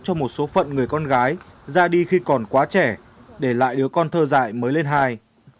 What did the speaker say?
cho một số phận người con gái ra đi khi còn quá trẻ để lại đứa con thơ dạy mới lên hai